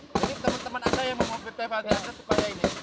jadi teman teman anda yang memotivasi anda supaya ini